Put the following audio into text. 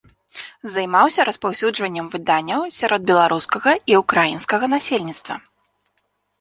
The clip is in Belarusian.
Займаўся распаўсюджваннем выданняў сярод беларускага і ўкраінскага насельніцтва.